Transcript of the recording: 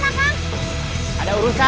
tidak akan ada lagi artinya